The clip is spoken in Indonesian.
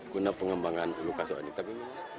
guna pengembangan ulu kasok ini